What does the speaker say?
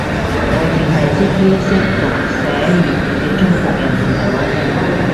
我剩係識啲識讀寫粵語嘅中國人同台灣人